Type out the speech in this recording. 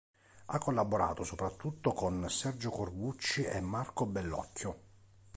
Ha collaborato soprattutto con Sergio Corbucci e Marco Bellocchio.